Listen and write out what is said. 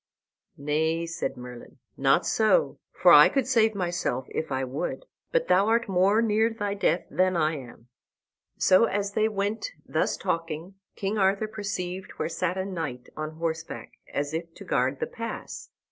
"Nay," said Merlin, "not so, for I could save myself if I would; but thou art more near thy death than I am." So, as they went thus talking, King Arthur perceived where sat a knight on horseback, as if to guard the pass.